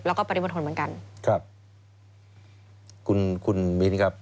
แล้วก็ปฏิบัติธนธรรมเหมือนกัน